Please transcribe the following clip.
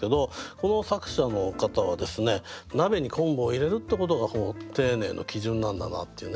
この作者の方はですね鍋に昆布を入れるってことが丁寧の基準なんだなっていうね。